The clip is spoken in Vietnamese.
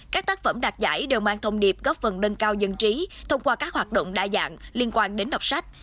các tác phẩm đạt giải đều mang thông điệp góp phần nâng cao dân trí thông qua các hoạt động đa dạng liên quan đến đọc sách